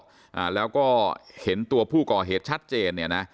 อ่าแล้วก็เห็นตัวผู้ก่อเหตุชัดเจนเนี่ยนะ